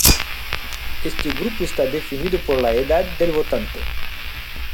Este grupo está definido por la edad del votante.